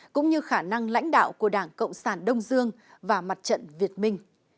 cũng như khả năng lãnh đạo của đảng cộng sản đông dương và mặt trận việt minh